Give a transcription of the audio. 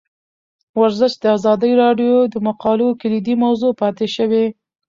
ورزش د ازادي راډیو د مقالو کلیدي موضوع پاتې شوی.